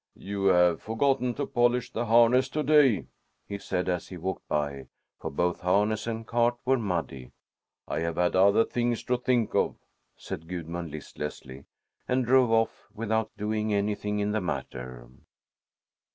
"You have forgotten to polish the harness to day," he said, as he walked by; for both harness and cart were muddy. "I have had other things to think of," said Gudmund listlessly, and drove off without doing anything in the matter.